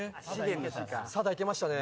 「貞」いけましたね。